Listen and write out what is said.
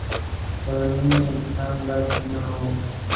پروني انسان داسې نه و.